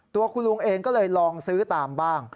ตัวคุณลุงเองก็เลยลองซื้อตามบ้าง